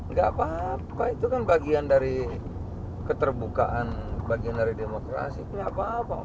nggak apa apa itu kan bagian dari keterbukaan bagian dari demokrasi gak apa apa